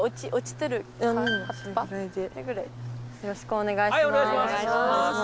よろしくお願いします。